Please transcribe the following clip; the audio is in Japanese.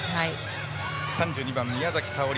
３２番、宮崎早織。